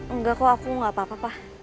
enggak kok aku gak apa apa